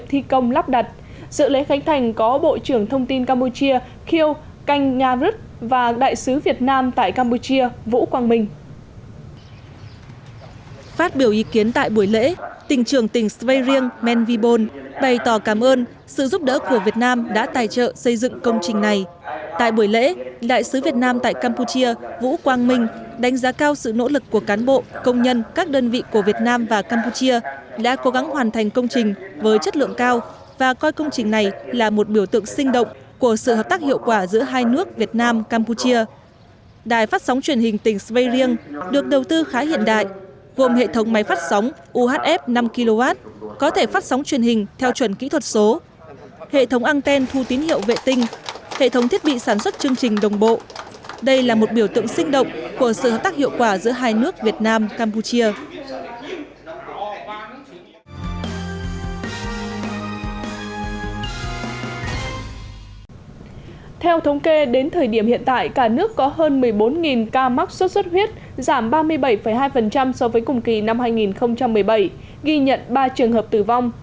theo thống kê đến thời điểm hiện tại cả nước có hơn một mươi bốn ca mắc xuất xuất huyết giảm ba mươi bảy hai so với cùng kỳ năm hai nghìn một mươi bảy ghi nhận ba trường hợp tử vong